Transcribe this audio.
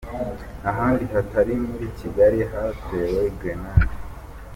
Ahandi hatari muri Kigali hatewe grenade